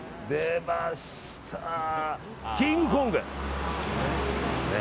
キングコング！